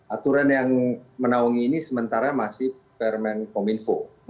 aturan yang menawangi ini sementara masih permen pominfo